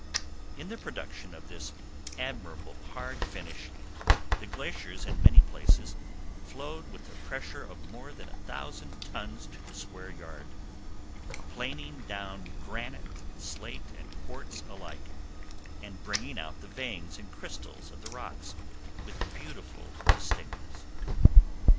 In the production of this admirable hard finish, the glaciers in many places flowed with a pressure of more than a thousand tons to the square yard, planing down granite, slate, and quartz alike, and bringing out the veins and crystals of the rocks with beautiful distinctness.